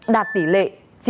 đạt tỷ lệ chín mươi ba một